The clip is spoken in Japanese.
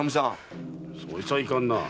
そいつはいかんなあ。